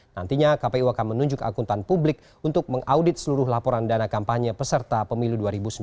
nantinya kpu akan menunjuk akuntan publik untuk mengaudit seluruh laporan dana kampanye peserta pemilu dua ribu sembilan belas